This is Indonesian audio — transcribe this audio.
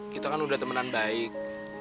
kita kan udah temenan baik